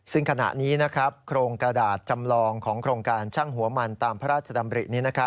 ซึ่งขณะนี้โครงกระดาษจำลองของโครงการช่างหัวมันตามพระราชดำริ